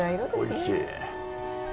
おいしい。